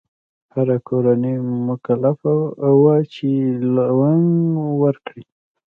هره کورنۍ مکلفه وه چې لونګ ورکړي.